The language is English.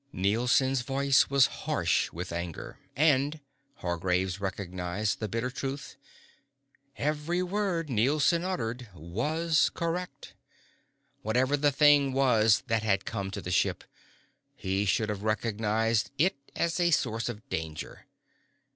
Nielson's voice was harsh with anger. And Hargraves recognized the bitter truth every word Nielson uttered was correct. Whatever the thing was that had come to the ship, he should have recognized it as a source of danger.